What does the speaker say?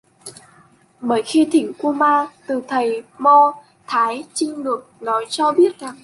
Bởi khi thỉnh kuman từ thầy mo thái trinh được nói cho biết rằng